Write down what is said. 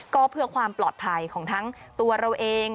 ก็เพื่อความปลอดภัยของทั้งตัวเราเอง